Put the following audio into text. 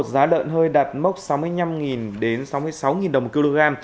giá lợn hơi đạt mốc sáu mươi năm đến sáu mươi sáu đồng một kg